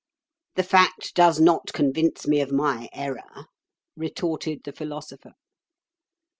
"The fact does not convince me of my error," retorted the Philosopher.